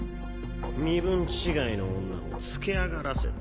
身分違いの女をつけ上がらせた